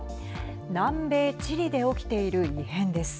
南米チリで起きている異変です。